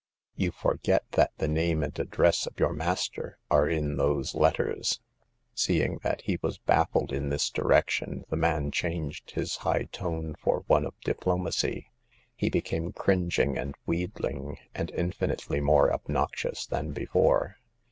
'*You forget that the name and ad dress of your master are in those letters/' 238 Hagar of the Pawn Shop. Seeing that he was baffled in this direction, the man changed his high tone for one of diplo macy. He became cringing and wheedling, and infinitely more obnoxious than before.